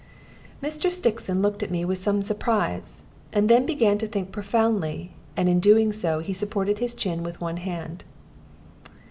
Mr. Stixon looked at me with some surprise, and then began to think profoundly, and in doing so he supported his chin with one hand.